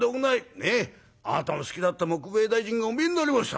ねえあなたの好きだった杢兵衛大尽がお見えになりました。